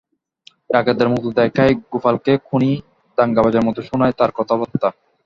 ডাকাতের মতো দেখায় গোপালকে, খুনি দাঙ্গাবাজের মতো শোনায় তার কথাবার্তা।